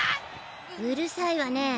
うるさいわね。